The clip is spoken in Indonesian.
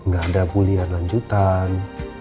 ga ada bulian lanjutan